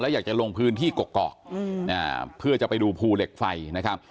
อยากจะลงพื้นที่กกอกเพื่อจะไปดูภูเหล็กไฟนะครับ